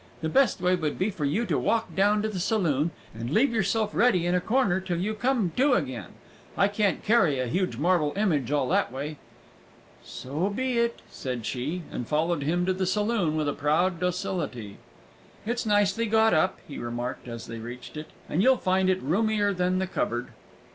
The best way would be for you to walk down to the saloon, and leave yourself ready in a corner till you come to again. I can't carry a heavy marble image all that way!" "So be it," said she, and followed him to the saloon with a proud docility. "It's nicely got up," he remarked, as they reached it; "and you'll find it roomier than the cupboard."